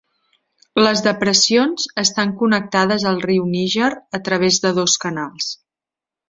Les depressions estan connectades al riu Níger a través de dos canals.